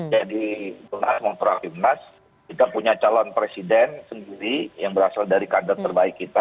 jadi benar benar kita punya calon presiden sendiri yang berasal dari kader terbaik kita